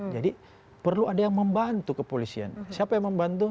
jadi perlu ada yang membantu kepolisian siapa yang membantu